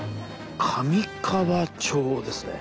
「上川町」ですね。